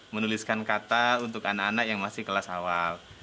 menuliskan kata untuk anak anak yang masih kelas awal